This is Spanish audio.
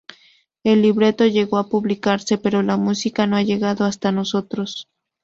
El libreto llegó a publicarse, pero la música no ha llegado hasta nosotros.